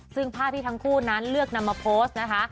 ซึ่งภาพที่ทั้งคู่นั้นเลือกนำมาโพสต์นะคะ